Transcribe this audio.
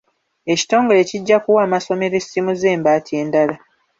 Ekitongole kijja kuwa amasomero essimu z'embaati endala.